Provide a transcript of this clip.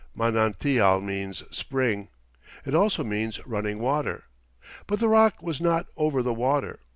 (Manantial means "spring"; it also means "running water"). But the rock was not "over the water."